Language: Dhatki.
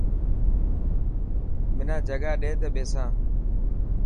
منا جگا ڏي ته ٻيسان.